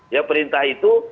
ya perintah itu